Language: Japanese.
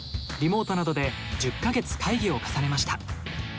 リモートなどで１０か月会議を重ねました。